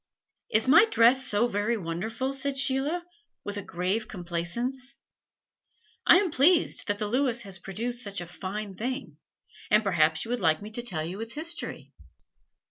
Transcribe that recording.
"Is my dress so very wonderful?" said Sheila, with a grave complacence. "I am pleased that the Lewis has produced such a fine thing, and perhaps you would like me to tell you its history.